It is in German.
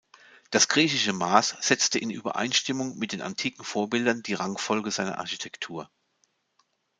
Das griechische Maß setzte in Übereinstimmung mit den antiken Vorbildern die Rangfolge seiner Architektur.